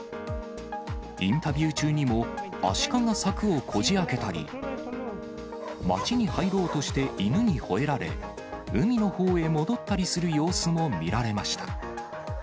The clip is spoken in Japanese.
インタビュー中にも、アシカが柵をこじあけたり、町に入ろうとして犬にほえられ、海のほうへ戻ったりする様子も見られました。